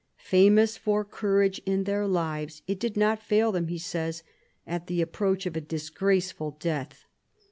Famous for courage in their lives, it did not fail them, he says, at the approach of a disgraceful death.